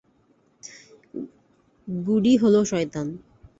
গুডই হল শয়তান!